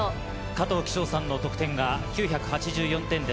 加藤煕章さんの得点が９８４点。